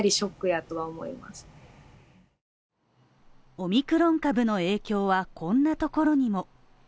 オミクロン株の影響はこんなところにも。